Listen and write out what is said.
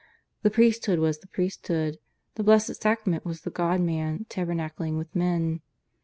The priesthood was the priesthood; the Blessed Sacrament was the God Man tabernacling with men.